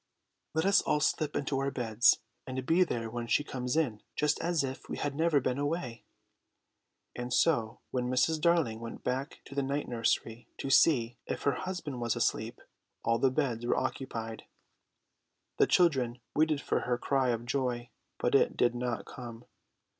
"Let us all slip into our beds, and be there when she comes in, just as if we had never been away." And so when Mrs. Darling went back to the night nursery to see if her husband was asleep, all the beds were occupied. The children waited for her cry of joy, but it did not come.